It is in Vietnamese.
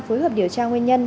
phối hợp điều tra nguyên nhân